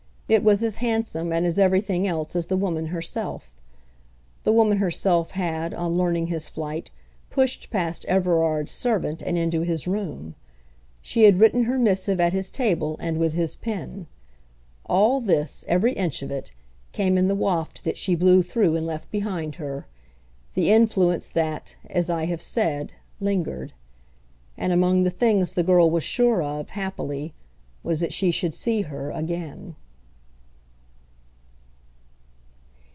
It was as handsome and as everything else as the woman herself. The woman herself had, on learning his flight, pushed past Everard's servant and into his room; she had written her missive at his table and with his pen. All this, every inch of it, came in the waft that she blew through and left behind her, the influence that, as I have said, lingered. And among the things the girl was sure of, happily, was that she should see her again.